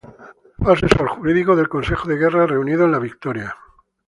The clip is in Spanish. Fue asesor jurídico del Consejo de Guerra reunido en La Victoria.